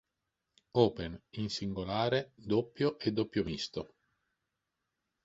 Open, in singolare, doppio e doppio misto.